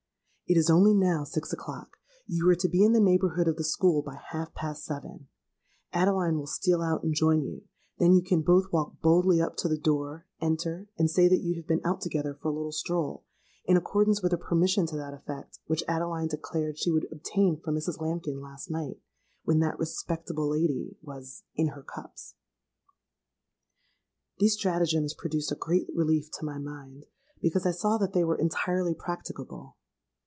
'It is only now six o'clock: you are to be in the neighbourhood of the school by half past seven; Adeline will steal out and join you: then you can both walk boldly up to the door, enter, and say that you have been out together for a little stroll, in accordance with a permission to that effect which Adeline declared she would obtain from Mrs. Lambkin last night, when that respectable lady was in her cups.'—These stratagems produced a great relief to my mind, because I saw that they were entirely practicable.